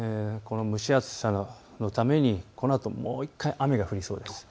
蒸し暑さのためにこのあともう１回雨が降りそうです。